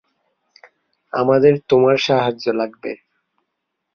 আমাদের তোমার সাহায্য লাগবে।